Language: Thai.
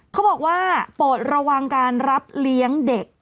เขาบอกว่าโปรดระวังการรับเลี้ยงเด็ก